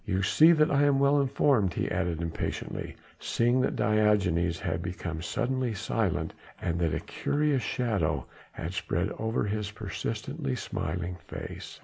You see that I am well informed," he added impatiently, seeing that Diogenes had become suddenly silent, and that a curious shadow had spread over his persistently smiling face.